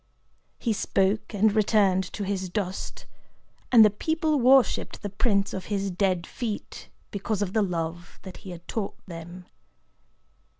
He spoke, and returned to his dust; and the people worshipped the prints of his dead feet, because of the love that he had taught them.